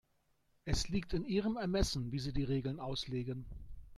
Es liegt in Ihrem Ermessen, wie Sie die Regeln auslegen.